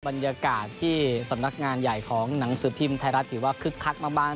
บรรยากาศที่สำนักงานใหญ่ของหนังสือพิมพ์ไทยรัฐถือว่าคึกคักมาก